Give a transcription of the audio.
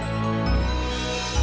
jika dia berkeluar jemand lain